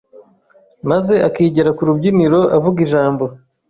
maze akigera ku rubyiniro avuga ijambo